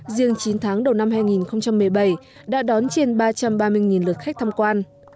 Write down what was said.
riêng chín tháng đầu năm hai nghìn một mươi bảy đã đón trên ba trăm ba mươi lượt khách tham quan